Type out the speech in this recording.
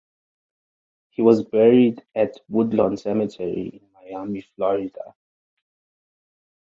He was buried at Woodlawn Cemetery in Miami, Florida.